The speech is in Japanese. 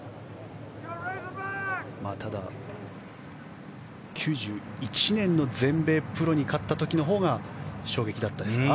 ただ、９１年の全米プロに勝った時のほうが衝撃だったですかね